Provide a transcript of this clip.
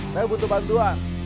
saya butuh bantuan